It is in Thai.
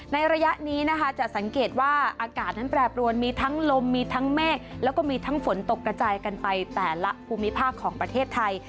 ระยะนี้นะคะจะสังเกตว่าอากาศนั้นแปรปรวนมีทั้งลมมีทั้งเมฆแล้วก็มีทั้งฝนตกกระจายกันไปแต่ละภูมิภาคของประเทศไทย